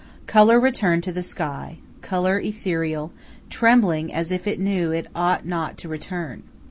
Color returned to the sky color ethereal, trembling as if it knew it ought not to return.